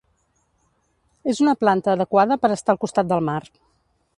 És una planta adequada per estar al costat del mar.